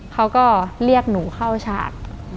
เขาก็เรียกหนูเข้าฉาก